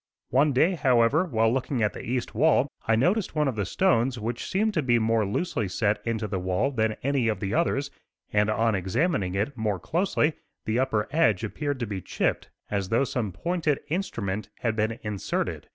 One day, however, while looking at the east wall, I noticed one of the stones which seemed to be more loosely set into the wall than any of the others; and on examining it more closely, the upper edge appeared to be chipped as though some pointed instrument had been inserted.